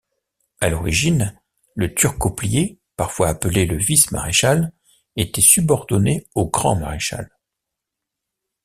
À l'origine, le turcoplier, parfois appelé le vice-maréchal, était subordonné au grand maréchal.